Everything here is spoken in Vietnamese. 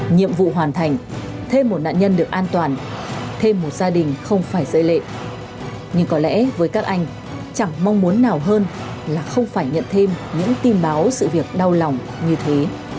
nhiệm vụ hoàn thành thêm một nạn nhân được an toàn thêm một gia đình không phải dây lệ nhưng có lẽ với các anh chẳng mong muốn nào hơn là không phải nhận thêm những tin báo sự việc đau lòng như thế